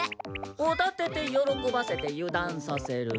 おだてて喜ばせて油断させる。